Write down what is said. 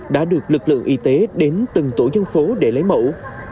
đã được lực lượng y tế đến từng tổ dân phố để lấy mẫu